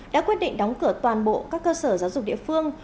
đã quyết định đóng cửa toàn bộ các cơ sở giáo dục địa phương